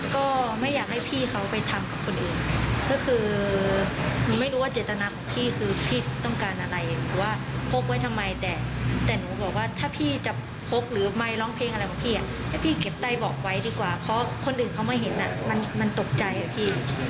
ก็ไม่อยากให้พี่เขาไปทำกับคนอื่นก็คือหนูไม่รู้ว่าเจตนาของพี่คือพี่ต้องการอะไรคือว่าพกไว้ทำไมแต่แต่หนูบอกว่าถ้าพี่จะพกหรือไมค์ร้องเพลงอะไรของพี่อ่ะให้พี่เก็บไต้บอกไว้ดีกว่าเพราะคนอื่นเขามาเห็นอ่ะมันตกใจอะพี่